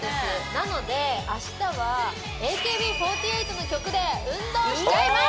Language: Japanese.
なので明日はＡＫＢ４８の曲で運動しちゃいます！